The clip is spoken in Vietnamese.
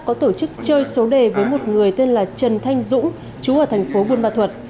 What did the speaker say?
có tổ chức chơi số đề với một người tên là trần thanh dũng chú ở thành phố buôn ma thuật